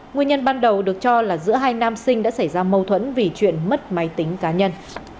nguyên nhân ban đầu được cho là giữa hai nam sinh đã xảy ra mâu thuẫn vì chuyện mất máy tính cá nhân